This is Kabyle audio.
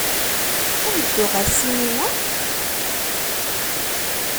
Ad neddu ɣer ssinima?